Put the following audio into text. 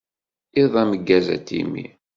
Iḍ ameggaz a Timmy.